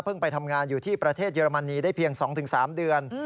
ไปทำงานอยู่ที่ประเทศเยอรมนีได้เพียง๒๓เดือน